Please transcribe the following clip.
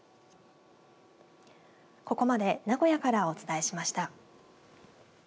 ここまで名古屋からお伝えしました。